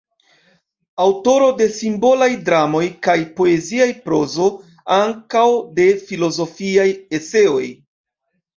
Aŭtoro de simbolaj dramoj kaj poezia prozo, ankaŭ de filozofiaj eseoj.